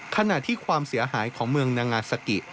ขณะที่ความเสียหายของเมืองนางาซากิ